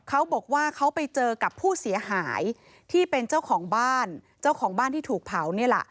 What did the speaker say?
เขาบอกว่าเขาไปเจอกับผู้เสียหายที่เป็นเจ้าของบ้านเจ้าของบ้านที่ถูกเผานี่แหละ